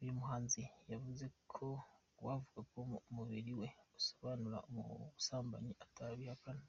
Uyu muhanzi yavuze ko uwavuga ko umubiri we usobanura umusambanyi atabihakana.